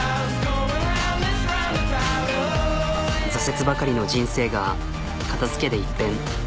挫折ばかりの人生が片づけで一変。